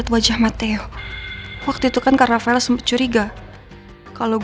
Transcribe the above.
gua harus kasih tau matteo nih buat secepatnya pergi dari jakarta